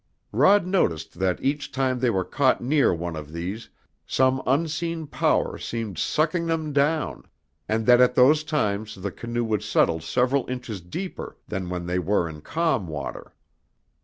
Rod noticed that each time they were caught near one of these some unseen power seemed sucking them down, and that at those times the canoe would settle several inches deeper than when they were in calm water.